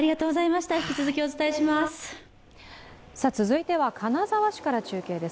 続いては金沢市から中継です。